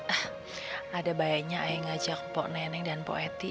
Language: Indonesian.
eh ada bayanya ayah ngajak bapak neneng dan bapak eti